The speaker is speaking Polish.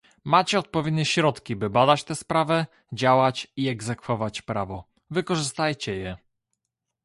"Macie odpowiednie środki, by badać tę sprawę, działać i egzekwować prawo - wykorzystajcie je"